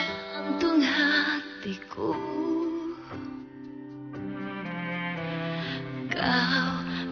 nanti gue teman lagi